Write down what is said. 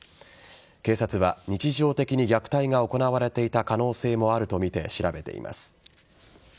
警察は日常的に虐待が行われていた可能性もあるとみて調べています。